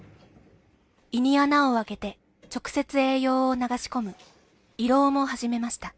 胃に穴を開けて直接栄養を流し込む胃ろうも始めました